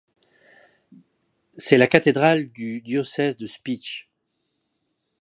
C'est la cathédrale du diocèse de Spiš.